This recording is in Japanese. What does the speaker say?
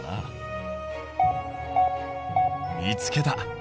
見つけた。